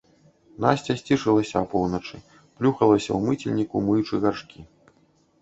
Насця сцішылася апоўначы, плюхалася ў мыцельніку, мыючы гаршкі.